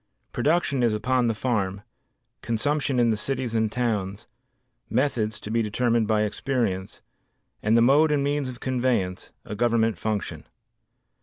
Production is upon the farm, consumption in the cities and towns, methods, to be determined by experience, and the mode and means of conveyance, a government function.